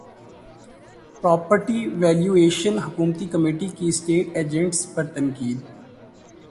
property valuation حکومتی committee کی estate agents پر تنقید